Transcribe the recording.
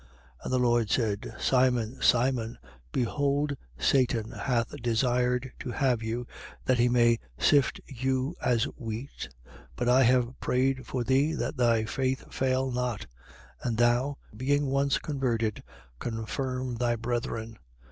22:31. And the Lord said: Simon, Simon, behold Satan hath desired to have you, that he may sift you as wheat. 22:32. But I have prayed for thee, that thy faith fail not: and thou, being once converted, confirm thy brethren.